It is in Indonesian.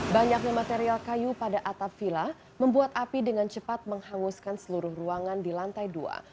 banyaknya material kayu pada atap villa membuat api dengan cepat menghanguskan seluruh ruangan di lantai dua